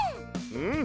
うん！